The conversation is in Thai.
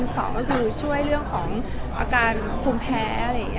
สองก็คือช่วยเรื่องของอาการพุ่มแพ้